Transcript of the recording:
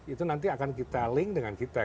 itu nanti akan kita link dengan kita